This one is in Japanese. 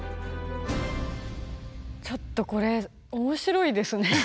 ちょっとこれ面白いですね。